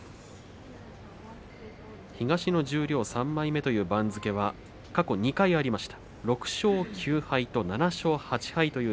東の十両３枚目という番付は過去２回ありました。